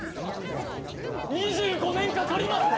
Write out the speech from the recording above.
２５年かかりました！